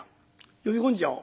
呼び込んじゃおう。